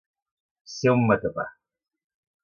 Ser un matapà.